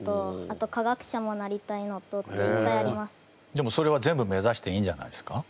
でもそれは全部目指していいんじゃないですか？